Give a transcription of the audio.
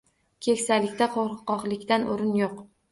Keksalikda qo’rqoqlikka o’rin yo’q.